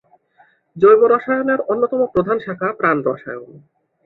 জৈব রসায়নের অন্যতম প্রধান শাখা প্রাণরসায়ন।